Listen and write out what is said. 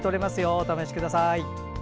お試しください。